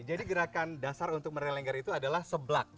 jadi gerakan dasar untuk menari lengger itu adalah seblak